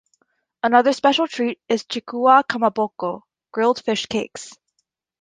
Another special treat is chikuwa kamaboko, grilled fish cakes.